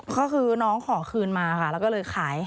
ก็คือน้องขอคืนมาค่ะแล้วก็เลยขาย